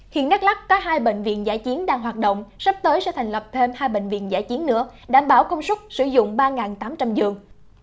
hiện nát lắc có hai bệnh viện giá chiến đang hoạt động sắp tới sẽ thành lập thêm hai bệnh viện giá chiến nữa đảm bảo công sức sử dụng ba tám trăm linh giường